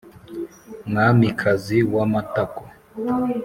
mwamikazi w'amatako